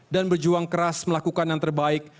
dan berjuang keras melakukan yang terbaik